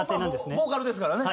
ボーカルですからね。